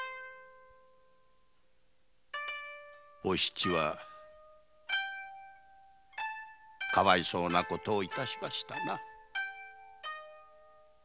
お七はかわいそうなことを致しましたな。